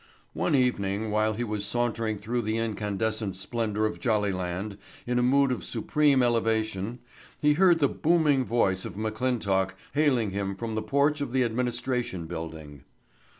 One evening while he was sauntering through the incandescent splendor of Jollyland in a mood of supreme elevation, he heard the booming voice of McClintock hailing him from the porch of the administration building.